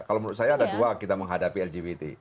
kalau menurut saya ada dua kita menghadapi lgbt